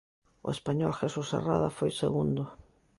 O español Jesús Herrada foi segundo.